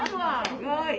すごい。